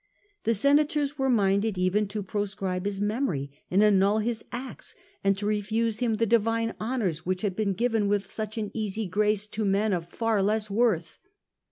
The senators were minded even to proscribe his memory and annul his acts, and to refuse him the divine honours which had been given with such an easy grace to men of far less worth.